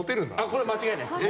これは間違いないです。